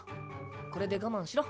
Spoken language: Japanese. これで我慢しろ。